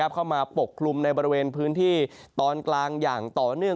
ปกคลุมในบริเวณพื้นที่ตอนกลางอย่างต่อเนื่อง